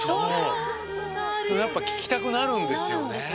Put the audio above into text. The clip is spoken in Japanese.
でもやっぱ聴きたくなるんですよね。